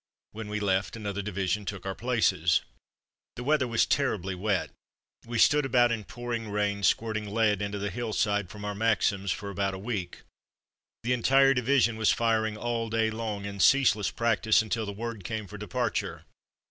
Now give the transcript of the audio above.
When we left another division took our places. The weather was terribly wet. We stood about in pouring rain squirting lead into the hillside from our Maxims for about a week. The entire division was firing all day long in ceaseless practice, until the word came for departure.